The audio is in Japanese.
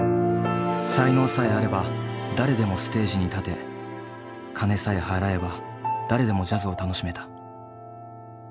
才能さえあれば誰でもステージに立て金さえ払えば誰でもジャズを楽しめた。